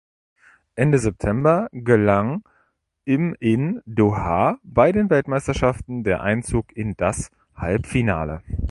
Ende September gelang im in Doha bei den Weltmeisterschaften der Einzug in das Halbfinale.